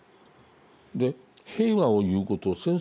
平和を言うこと